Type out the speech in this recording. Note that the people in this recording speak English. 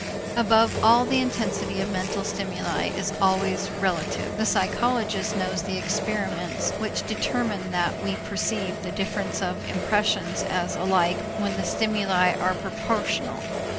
Above all the intensity of mental stimuli is always relative. The psychologist knows the experiments which determine that we perceive the difference of impressions as alike when the stimuli are proportional.